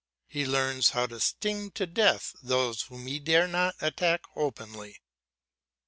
He learns how to sting to death those whom he dare not attack openly.